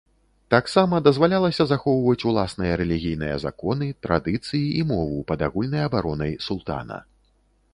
Таксама дазвалялася захоўваць уласныя рэлігійныя законы, традыцыі і мову, пад агульнай абаронай султана.